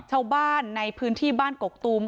ชาวบ้านในพื้นที่บ้านกกตูม